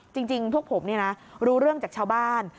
จริงพวกผมรู้เรื่องจากชาวบ้าน